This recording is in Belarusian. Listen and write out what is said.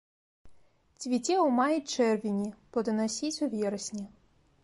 Цвіце ў маі-чэрвені, плоданасіць у верасні.